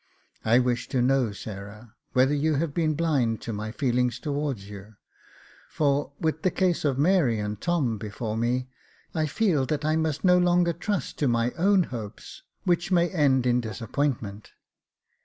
I wish to know, Sarah, whether you have been blind to my feelings towards you ; for, with the case of Mary and Tom before me, I feel that I must no longer trust to my own hopes, which may end in disappointment.